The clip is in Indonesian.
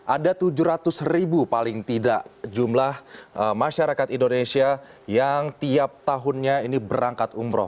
ada tujuh ratus ribu paling tidak jumlah masyarakat indonesia yang tiap tahunnya ini berangkat umroh